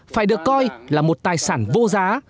phải được coi là một tài sản vô giá